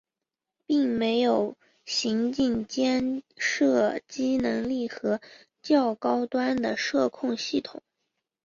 并没有行进间射击能力和较高端的射控系统。